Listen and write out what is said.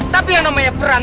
tapi yang namanya perang